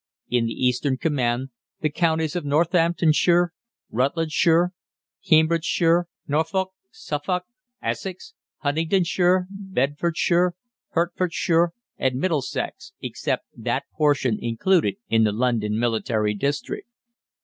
In the Eastern Command, the counties of Northamptonshire, Rutlandshire, Cambridgeshire, Norfolk, Suffolk, Essex, Huntingdonshire, Bedfordshire, Hertfordshire, and Middlesex (except that portion included in the London Military District).